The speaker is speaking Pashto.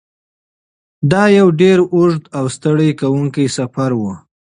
دا یو ډېر اوږد او ستړی کوونکی سفر و.